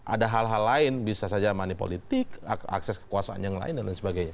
ada hal hal lain bisa saja money politik akses kekuasaan yang lain dan lain sebagainya